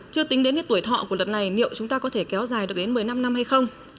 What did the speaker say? chưa tính đến cái tuổi thọ của lần này liệu chúng ta có thể kéo dài được đến một mươi năm năm hay không